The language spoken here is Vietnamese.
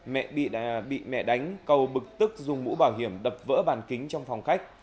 mẹ bị mẹ đánh cầu bực tức dùng mũ bảo hiểm đập vỡ bàn kính trong phòng khách